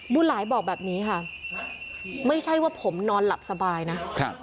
หลายบอกแบบนี้ค่ะไม่ใช่ว่าผมนอนหลับสบายนะครับ